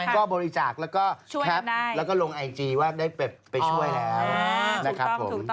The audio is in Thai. ก็บริจาคแล้วก็แคปแล้วก็ลงไอจีว่าได้ไปช่วยแล้วนะครับผม